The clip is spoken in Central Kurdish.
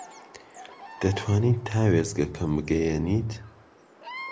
دەتوانیت تا وێستگەکەم بگەیەنیت؟